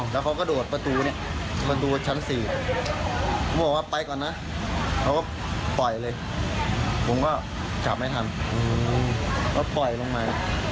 บอกว่าไปก่อนนะแล้วก็ปล่อยเลยผมก็จับไม่ทันอืมแล้วปล่อยลงมา